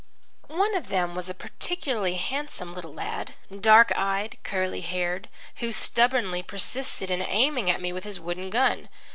One of them was a particularly handsome little lad, dark eyed, curly haired, who stubbornly persisted in aiming at me with his wooden gun.